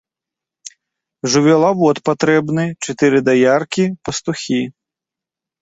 Жывёлавод патрэбны, чатыры даяркі, пастухі.